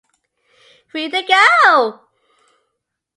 Three to go!